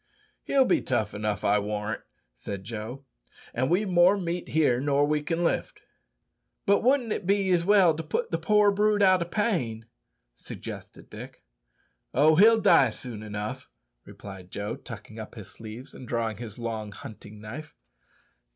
"He'll be tough enough, I warrant," said Joe; "an' we've more meat here nor we can lift." "But wouldn't it be as well to put the poor brute out o' pain?" suggested Dick. "Oh, he'll die soon enough," replied Joe, tucking up his sleeves and drawing his long hunting knife.